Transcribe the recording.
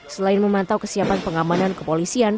selain memantau kesiapan pengamanan kepolisian